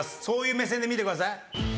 そういう目線で見てください。